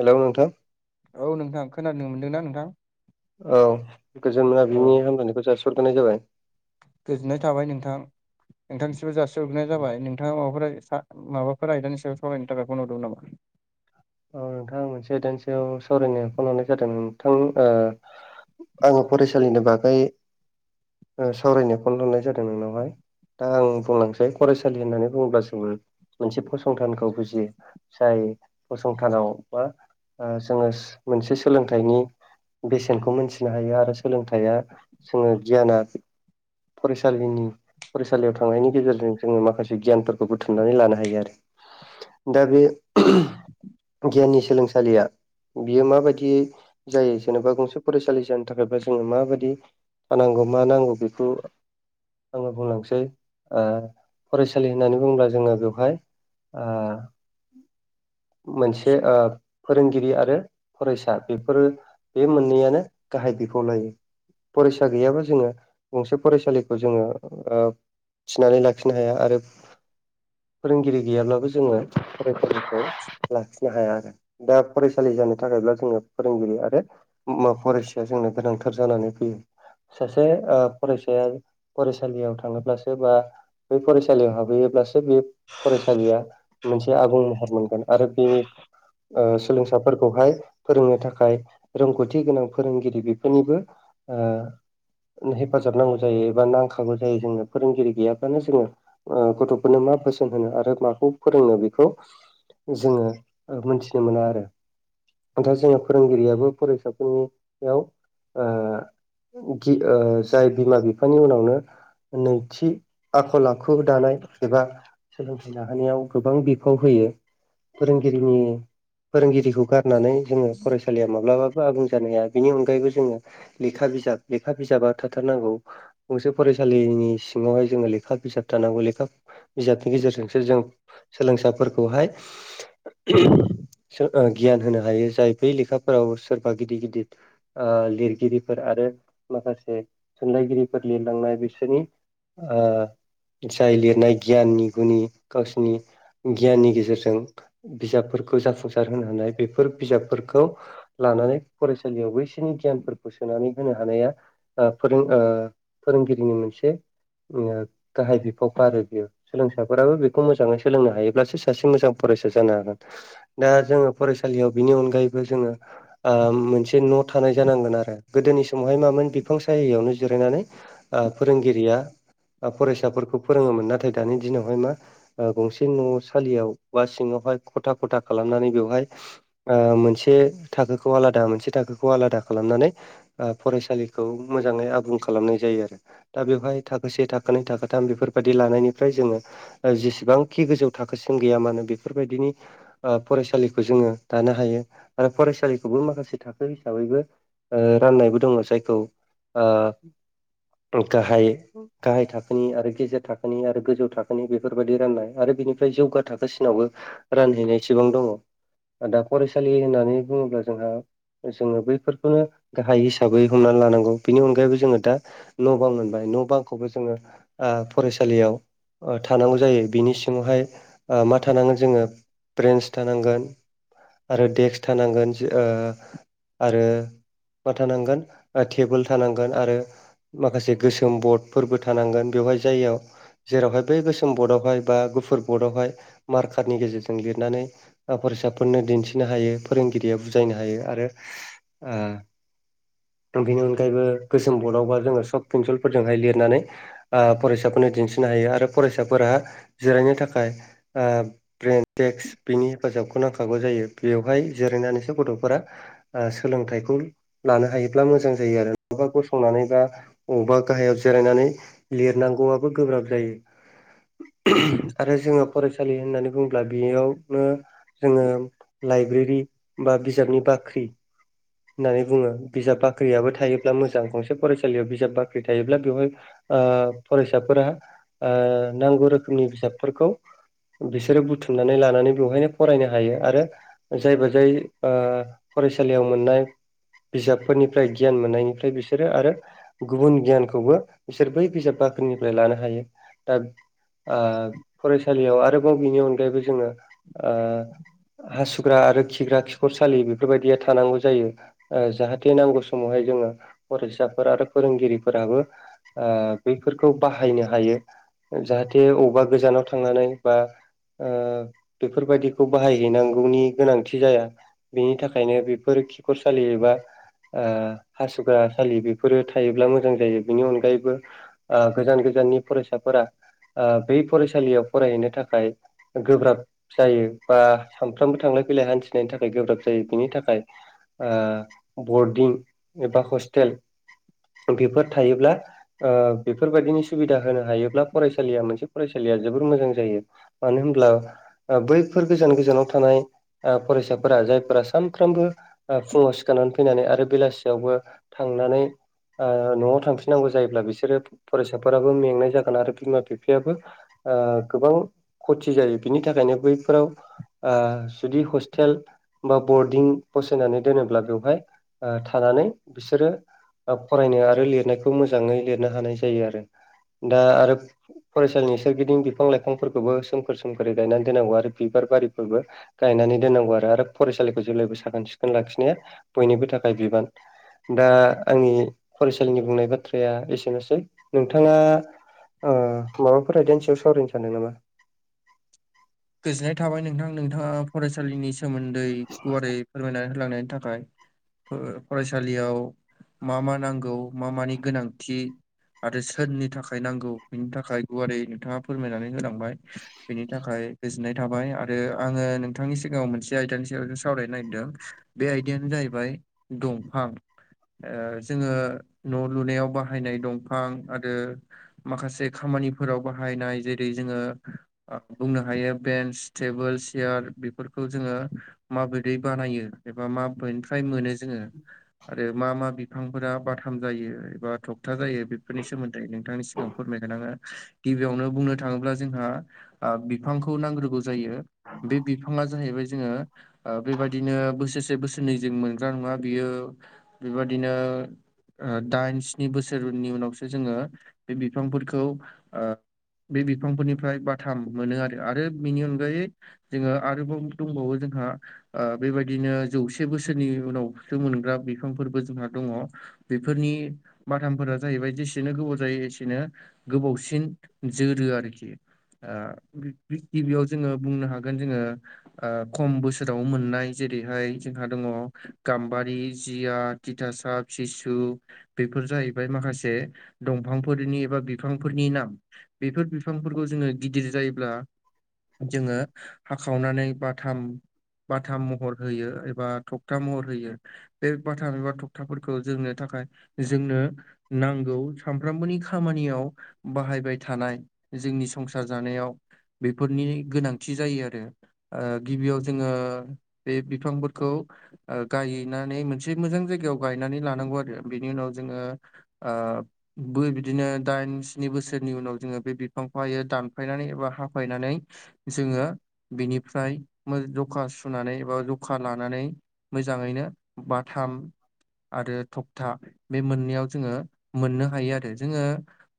Hello नोंथां औ नोंथां खोनानो मोनदों ना नोंथां औ गोजोन मोना अ बिनि हामलायनायखौ जासिहरग्रोनाय जाबाय गोजोननाय थाबाय नोंथां नोंथांसिमबो जासिहरग्रोननाय जाबाय नों नोंथांङा माबाफोर माबाफोर आयदानि सायाव सावरायनो थाखाय फन हरदो मोन नामा? औ नोंथां मोनसे आयदानि सायाव सावरायनो फन हरनाय जादोंमोन नोंथां आङो फरायसालिनि बागै सावरायनो फन हरनाय जादों नोंनावहाय दा आं बुंलांसै फरायसालि होननानै बुङोब्ला जोङो मोनसे फसंथानखौ बुजियो जाय फसंथानाव बा जोङो मोनसे सोलोंथाइनि बेसेनखौ मोनथिनो हायो आरो सोलोंथाइया जोङो गियाना फरायसालिनि फरायसालियाव थांनायनि गेजेरजों जोङो माखासे गियानफोरखौ बुथुमनानै लानो हायो आरो दा बे गियाननि सोलोंसालिया बियो माबायदियै जायो जेनेबा गंसे फरायसालि जानो थाखायब्ला जोङो माबादि मा नांगौ मा नांगौ बेखौ आङो बुंलांसै फरायसालि होननानै बुङोब्ला जोङो बेवहाय ओ मोनसे फोरोंगिरि आरो फरायसा बेफोरो बे मोननैयानो गाहाय बिफाव लायो फरायसा गैयाबा जोङो गंसे फरायसालिखौ जोङो थिनानै लाखिनो हाया आरो फोरोंगिरि गैयाब्लाबो जोङो फरायसाफोरखौ लाखिनो हाया आरो दा फरायसालि जानो थाखायब्ला जोङो फोरोंगिरि आरो मा‌ फरायसाया जोंनो गोनांथार जानानै फैयो सासे फरायसाया फरायसालियाव थाङोब्लासो बा बै फरायसालियाव हाबैयोब्लासो बे फरायसालिया मोनसे आबुं महर मोनगोन आरो बे ओ सोलोंसाफोरखौहाय फोरोंनो थाखाय रोंगौथि गोनां फोरोंगिरि बेफोरनिबो ओ हेफाजाब नांगौ जायो एबा नांखागौ जायो जोंनो फोरोंगिरि गैयाब्लानो जोङो ओ गथ'फोरनो मा बोसोन होनो आरो माखौ फोरोंनो बेखौ जोङो मोनथिनो मोना आरो [unintelligible] जोङो फोरोंगिरियाबो फरायसाफोरनियाव ओ गि जाय बिमा बिफानि उनावनो नैथि आखल आखु दानाय एबा सोलोंथाइ लाहोनायाव गोबां बिफाव होयो फोरोंगिरिनि फोरोंगिरिखौ गारनानै जोङो फरायसालिया माब्लाबो आबुं जानो हाया बेनि अनगायैबो जोङो लेखा बिजाब लेखा बिजाबा थाथारनांगौ गंसे फरायसालिनि सिङावहाय जोङो लेखा बिजाब थानांगौ लेखा बिजाबनि गेजेरजोंसो जों सोलोंसाफोरखौहाय गियान होनो हायो जाय बै लेखाफोराव सोरबा गिदिर गिदिर लिरगिरिफोर आरो माखासे थुनलाइगिरिफोर लिरलांनाय बिसोरनि जाय लिरनाय गियाननि गुनि गावसिनि गियाननि गेजेरजों जों बिजाबफोरखौ जाफुंसार होनो हानाय बेफोर बिजाबफोरखौ लानानै फरायसालियाव बैसोरनि गियानफोरखौ सोनानै होनो हानाया फोरों फोरोंगिरिनि मोनसे गाहाय बिफावखा आरो बियो सोलोंसाफोराबो बेखौ मोजाङै सोलोंनो हायोब्लासो सासे मोजां फरायसा जानो हागोन दा जोङो फरायसालियाव बिनि अनगायैबो जोङो मोनसे न' थानाय जानांगोन आरो गोदोनि समावहाय मामोन बिफां सायायावनो जिरायनानै फोरोंगिरिया फरायसाफोरखौ फोरोङोमोन नाथाय दानि दिनावहाय मा गंसे न' सालियाव बा सिङावहाय खथा खथा खालामनानै बेवहाय मोनसे थाखोखौ आलादा मोनसे थाखोखौ आलादा खालामनानै फरायसालि खौ मोजाङै आबुं खालामनाय जायो आरो दा बेवहाय थाखोसे थाखै थाखोथाम बेफोरबायदि लानायनिफ्राय जोङो जेसेबांखि गोजौ थाखोसिम गैया मानो बेफोरबायदिनि फरायसालिखौ जोङो दानो हायो आरो फरायसालिखौबो माखासे थाखो हिसाबैबो राननायबो दङ जायखौ गाहाय गाहाय थाखोनि आरो गेजेर थाखोनि आरो गोजौ थाखोनि बेफोरबायाददि राननाय आरो बिनिफ्राय जौगा थाखोसि नावबो रानहैनाय सिबां दङ दा फरायसालि होननानै बुङोब्ला जोंहा जोङो बैफोरखौनो गाहाय हिसाबै हमनानै लानांगौ बेनि अनगायैबो जोङो दा न' बां मोनबाय न' बांखौबो जोङो फरायसालियाव थानांगौ जायो बिनि सिङावहाय मा थोन जङो बेस थांगोन आरो डेक्स थानांगोन आरो मा थानांगोन टेबोल थानांगोन आरो माखासे गोसोम बर्डफोरबो थानांगोन बेवहाय जायाव जेरावहाय बै गोसोम बर्डआवहाय बा गुफुर बर्डआवहाय मार्कारनि गेजेरजों लिरनानै फरायसाफोरनो दिन्थिनो हायो फोरोंगिरिया बुजायनो हायो आरो आ बेनि अनगायैबो गोसोम बर्दडआवबा जोङो सब पिन्सलफोरजोंहाय लिरनानै फरायसाफोरनो दिन्थिनो हायो आरो फरायसाफोरा जिरायनो थाखाय ब्रेन्स डेक्स बेनि हेफाजाबखौ नांखागौ जायो बेवहाय जिरायनानैसो गथ'फोरा सोलोंथाइखौ लानो हायोब्ला मोजां जायो आरो नाबा गसंनानै बा अबेबा गाहायाव जिरायनानै लिरनांगौआबो गोब्राब जायो आरो जोङो फरायसालि होननानै बुङोब्ला बेयावनो जोङो लाइब्रेरि बा बिजाबनि बाख्रि होननानै बुङो बिजाब बाख्रियाबो थायोब्ला मोजां गंसे फरायसालियाव बिजाब बाख्रि थायोब्ला बेवहाय ओ फरायसाफोरा नांगौ रोखोमनि बिजाबफोरखौ बिसोरो बुथुमनानै लानानै बेवहायनो फरायनो हायो आरो जाय बा जाय ओ फरायसालियाव मोननाय बिजाबफोरनिफ्राय गियान मोननायनिफ्राय बिसोरो आरो गुबुन गियानखौबो बिसोर बै बिजाब बाख्रिनिफ्राय लानो हायो दा फरायसालियाव आरोबाव बिनि अनगायैबो जोङो हासुग्रा आरो खिग्रा खिखरसालि बेफोरबायदिया थानांगौ जायो ओ जाहाथे नांगौ समावहाय जोङो फरायसाफोर आरो फोरोंगिरिफोराबो आ बैफोरखौ बाहायनो हायो जाहाथे अबेबा गोजानाव थांनानै बा ओ बेफोरबायदिखौ बाहायहैनांगौनि गोनांथि जाया बेनि थाखायनो बेफोर खिखर सालि एबा हासुग्रा सालि बेफोरो थायोब्ला मोजां जायो बेनि अनगायैबो गोजान गोजाननि फरायसाफोरा बै फरायसालियाव फरायहैनो थाखाय गोब्राब जायो बा सानफ्रामबो थांलाय फैलाय हान्थिनायनि थाखाय गोब्राब जायो बिनि थाखाय बरदिं एबा हस्टेल बेफोर थायोब्ला बेफोरबायदिनि सुबिदा होनो हायोब्ला फरायसालिया मोनसे फरायसालिया जोबोर मोजां जायो मानो होमब्ला बैफोर गोजान गोजानाव थानाय फरायसाफोरा जायफोरा सानफ्रोमबो फुङाव सिखारनानै फैनानै आरो बेलासियावबो थांनानै ओ न'आव थांफिननांगौ जायोब्ला बिसोरो फरायसाफोराबो मेंनाय जागोन आरो बिमा बिफायाबो ओ गोबां खथि जायो बिनि थाखायनो बैफोराव आ जुदि हस्टेल बा बरदिं नानै दोनोब्ला बेवहाय थानानै बिसोरो फरायनो आरो लिरनायखौ मोजाङै लिरनो हानाय जायो आरो दा आरो फरायसालिनि सोरगिदिं बिफां लाइफांफोरखौबो सोमखोर सोमखोरै गायनानै दोननांगौ आरो बिबार बारिफोरबो गायनानै दोननांगौ आरो आरो फरायसालिखौ जेब्लायबो साखोन सिखोन लाखिनाया बयनिबो थाखाय बिबान दा आंनि फरायसालिनि बुंनाय बाथ्राया एसेनोसै नोंथाङा माबाफोर आयदानि सायाव सावरायनो सानदों नामा गोजोननाय थाबाय नोंथां नोंथाङा फरायसालिनि सोमोन्दै गुवारै फोरमायनानै होलांनायनि थाखाय फरायसालियाव मा मा नांगौ मा मानि गोनांथि आरो सोरनि थाखाय नांगौ बिनि थाखाय गुवारै नोंथाङा फोरमायनानै होलांबाय बेनि थाखाय गोजोननाय थाबाय आरो आङो नोंथांनि सिगाङाव मोनसे आयदानि सायाव सावरायनो नागिरदों बे आयदायानो जाहैबाय दंफां ओ जोङो न' लुनायाव बाहायनाय दंफां आरो माखासे खामानिफोराव बाहायनाय जेरै जोङो ओ बुंनो हायो बेन्स टेबोल सियार बेफोरखौ जोङो माबोरै बानायो एबा माबेनिफ्राय मोनो जोङो आरो मा मा बिफांफोरा बाथाम जायो एबा थगथा जायो बेफोरनि सोमोन्दै नोंथांनिसिम ओ फोरमायगोन आङो गिबियावनो बुंनो थाङोब्ला जोंहा ओ बिफांखौ खौ नांग्रोगौ जायो बे बिफाङा जाहैबाय जोङो ओ बेबायदिनो बोसोरसे बोसोरनै जों मोनग्रा नङा बियो बेबादिनो ओ दाइन स्नि बोसोरनि उनावसो जोङो बे बिफांफोरखौ ओ बे बिफांफोरनिफ्राय बाथाम मोनो आरो आरो बेनि अनगायै जोङो आरोबाव दंबावो जोंहा ओ बेबायदिनो जौसे बोसोरनि उनावसो मोनग्रा बिफांफोरबो जोंहा दङ। बेफोरनि बाथामफोरा जाहैबाय जेसेनो गोबाव जायो एसेनो गोबावसिन जोरो आरोखि ओ गिबियाव जोङो बुंनो हागोन जोङो ओ खम बोसोराव मोननाय जेरैहाय जोंहा दङ गाम्बारि जया थिथासाब सिसु बेफोर जाहैबाय माखासे दंफांफोरनि एबा बिफांफोरनि नाम बेफोर बिफांफोरखौ जोङो गिदिर जायोब्ला जोङो हाखावनानै बाथाम बाथाम महर होयो एबा थखथा महर होयो बे बाथाम एबा थकथाफोरखौ जोरनो थाखाय जोङो नांगौ सानफ्रोमबोनि खामानियाव बाहायबाय थानाय जोंनि संसार जानायाव बेफोरनि गोनांथि जायो आरो ओ गिबियाव जोङो बे बिफांफोरखौ ओ गायनानै मोनसे मोजां जायगायाव गायनानै लानांगौ आरो बेनि उनाव जोङो ओ बो बिदिनो दाइन स्नि बोसोरनि उनाव जोङो बे बिफांखौ हायो दानफायनानै एबा हा फायनानैै जोङो बिनिफ्राय मो जखा सुनानै एबा जखा लानानै मोजाङैनो बाथाम आरो थखथा बे मोननैयाव जोङो मोननो हायो आरो जोङो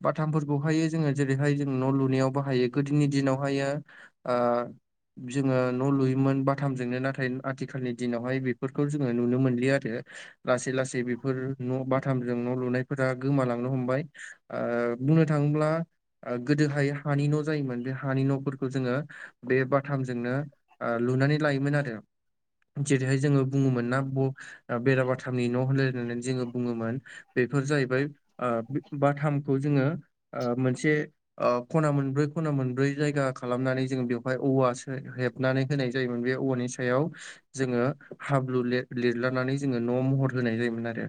बाथामफोरखौहायो जोङो जेरैहाय जों न' लुनायाव बाहायो गोदोनि दिनावहायो ओ जोङो न' लुयोमोन बाथामजोंनो नाथाय आथिखालनि दिनावहाय बेफोरखौ जोङो नुनो मोनलिया आरो लासै लासै बेफोर न' बाथामजों न' लुनायफोरा गोमालांनो हमबाय ओ बुंनो थाङोब्ला ओ गोदोहाय हानि न' जायोमोन बे हानि न'फोरखौ जोङो बे बाथामजोंनो ओ लुनानै लायोमोन आरो जेरैहाय जोङो बुङोमोन ना ब बेराबाथामनि न' होनलायनानै जोङो बुङोमोन बेफोर जाहैबाय ओ बाथामखौ जोङो मोनसे खना मोनब्रै खना मोनब्रै जायगा खालामनानै जोंङो बेवहाय औवा हेबनानै होनाय जायोमोन बे औवानि सायाव जोंङो हाब्रु लिरलनानै जोंङो न' महर होनाय जायोमोन आरो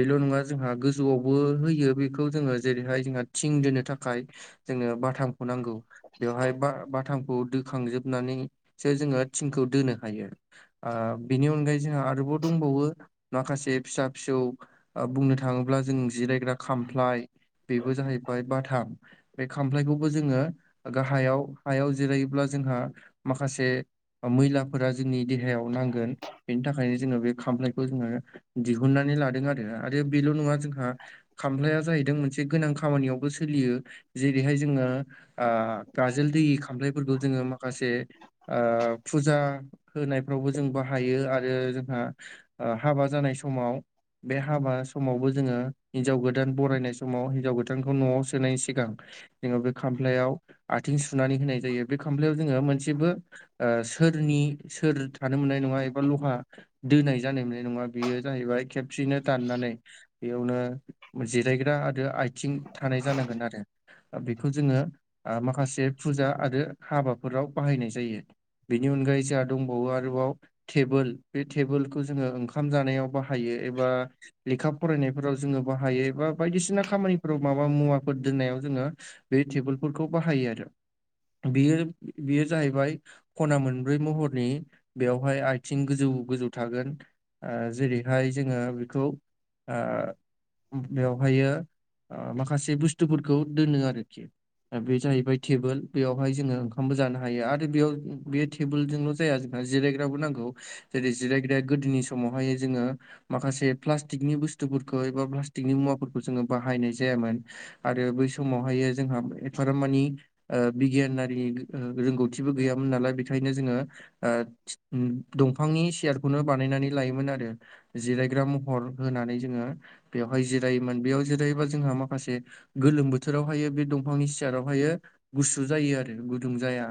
बेल' नंङा जोंहा गोजौआवबो होयो बेखौ जोंङो जेरैहाय जोंहा थिं दोननो थाखाय जोंनो बाथामखौ नांगौ बेवहाय बा बाथामखौ दो खांजोबनानैसो जोंङो थिंखौ दोननो हायो। बिनि अनगायै जोंहा आरोबाव दंबावो माखासे फिसा फिसौ बुंनो थांङोब्ला जों जिरायग्रा खामफ्लाय बेबो जाहैबाय बाथाम बे खामफ्लायखौबो जोंङो गाहायाव हायाव जिरायोब्ला जोंहा माखासे मैलाफोरा जोंनि देहायाव नांगोन बेनि थाखायनो जोंङो बे खामनायखौ जोंङो दिहुननानै लादों आरो आरो बेल' नंङा जोंहा खामफ्लाया जाहैदों मोनसे गोनां खामानियावबो सोलियो जेरैहाय जोंङो गाजोल दै खामलायफोरखौ जोंङो माखासे ओ फुजा होनायफ्रावबो जों बाहायो आरो जोंहा ओ हाबा जानाय समाव बे हाबा समावबो जोंङो हिनजाव गोदान बरायनाय समाव हिनजाव गोदान बिथांखौ न'वाव सोनायनि सिगां जोंङो बे खामफ्लायाव आथिं सुनानै होनाय जायो बे खामफ्लायाव जोंङो मोनसेबो सोरनि सोर थानो मोननाय नंङा एबा लहा दोनाय जानाय मोननाय नंङा बेयो जाहैबाय खेबसेनो दाननानै बेयावनो जिरायग्रा आरो आथिं थानाय जानांगोन आरो बेखौ जोंङो माखासे फुजा आरो हाबाफोराव बाहायनाय जायो। बिनि अनगायै जोंहा दंबावो आरोबाव टेबोल बे टेबोलखौ जोंङो ओंखाम जानायाव बाहायो एबा लेखा फरायनायफोराव जोंङो बाहायो बा बायदिसिना खामानिफोराव माबा मुवाफोर दोननायाव जोंङो बे टेबोलफोरखौ बाहायो आरो बेयो बेयो जाहैबाय खना मोनब्रै महरनि बेवहाय आथिं गोजौ गोजौ थागोन जेरैहाय जोंङो बेखौ बेवहायो माखासे बुस्थुफोरखौ दोनो आरोखि बे जाहैबाय टेबोल बेयावहाय जोंङो ओंखामबो जानो हायो आरो बेयाव बे टेबोलजोंल जाया। जिरायग्राबो नांगौ जेरै जिरायग्राया गोदोनि समावहाय जोंङो माखासे प्लास्टिकनि बुस्थुफोरखौ एबा प्लास्टिकनि मुवाफोरखौ जोंङो बाहायनाय जायामोन। आरो बै समावहाय जोंहा थारमाने बिगियानारि रोंगौथिबो गैयामोन नालाय बेखायनो जोंङो ओ दंफांनि सियारखौनो बानायनानै लायोमोन आरो जिरायग्रा महर होनानै जोंङो बेवहाय जिरायोमोन बेयाव जिरायोबा जोंहा माखासे गोलोम बोथोरावहायो बे दंफांनि सियारावहायो गुसु जायो आरो गुदुं जाया।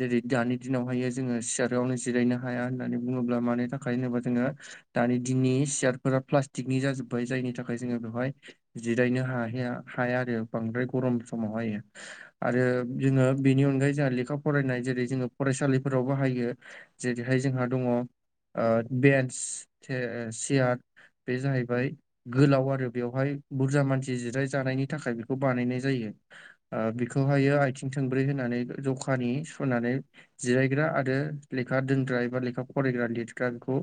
जेरै दानि दिनावहायो जोंङो सियारावनो जिरायनो हाया होननानै बुंङोब्ला मानि थाखाय होनोबा जोंङो दानि दिननि सियारफोरा प्लास्टिकनि जाजोबबाय जायनि थाखाय जोंङो बेवहाय जिरायनो हखहैया हाया आरो बांद्राय गरम समावहायो आरो जोंङो बेनि अनगायै जोंहा लेखा फरायनाय जेरै जोंङो फरायसालिफोराव बाहायो। जेरैहाय जोंहा दंङो बेन्स सियार बे जाहैबाय गोलाव आरो बेवहाय बुरजा मानसि जिराय जानायनि थाखाय बेखौ बानायनाय जायो। बिखौहायो आथिं थोंब्रै होनानै जखानि सुनानै जिरायग्रा आरो लेखा दोनग्रा एबा लेखा फरायग्रा लिरग्रा बेखौ